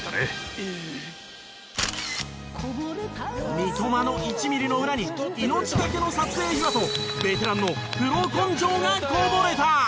三笘の１ミリの裏に命がけの撮影秘話とベテランのプロ根性がこぼれた！